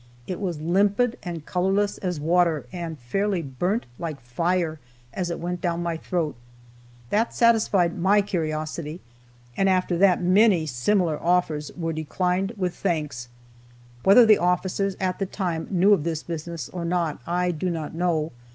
It was limpid and colorless as water, and fairly burnt like fire as it went down my throat. That satisfied my curiosity, and after that many similar offers were declined, with thanks. Whether the officers at the time knew of this business or not, I do not know.